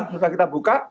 sudah kita buka